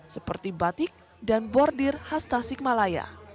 seperti batik dan bordir khas tasik malaya